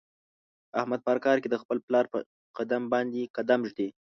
احمد په هر کار کې د خپل پلار په قدم باندې قدم ږدي.